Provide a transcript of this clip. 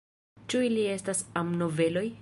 Ĉu ili estas amnoveloj?